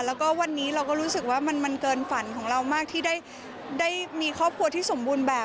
แล้วก็วันนี้เราก็รู้สึกว่ามันเกินฝันของเรามากที่ได้มีครอบครัวที่สมบูรณ์แบบ